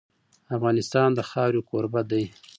افغانستان د خاوره کوربه دی.